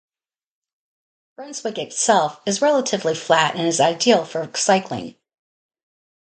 Brunswick itself is relatively flat and is ideal for cycling.